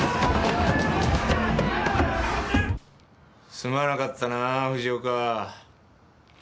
すまなかったな藤岡。